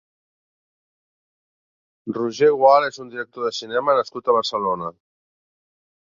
Roger Gual és un director de cinema nascut a Barcelona.